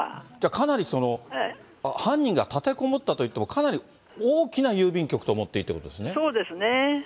かなり犯人が立てこもったといっても、かなり大きな郵便局と思っていいってことですね。